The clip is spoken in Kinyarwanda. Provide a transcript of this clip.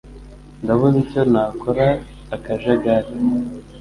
Ndabuze icyo nakora akajagari.